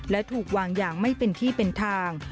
และถูกวางอย่างไม่เป็นที่เป็นทาง